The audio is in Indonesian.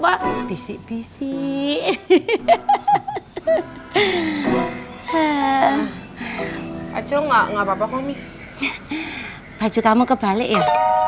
bawa bisik bisik hehehe hehehe hehehe hehehe hehehe acung nggak papa papa nih baju kamu kebalik ya